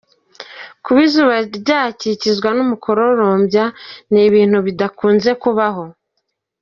Kuba izuba ryakikizwa n’umukororombya ni ibintu bidakunze kubaho.